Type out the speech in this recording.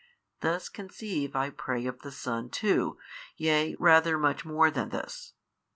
thus conceive I pray of the Son too, yea rather much more than this.